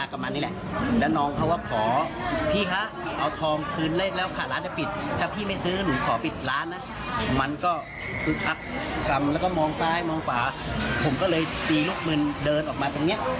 อักทรรมแล้วก็มองซ้ายมองขวาผมก็เลยตีลูกมือเดินออกมาตรงเนี้ย